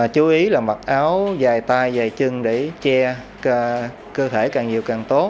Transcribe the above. chú ý là mặc áo dài tay dài chân để che cơ thể càng nhiều càng tốt